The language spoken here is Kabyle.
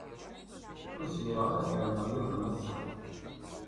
Ur zmireɣ ara ad ɛiwneɣ Yuba ass-a.